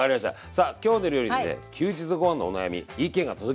さあ「きょうの料理」にね休日ごはんのお悩み意見が届きました。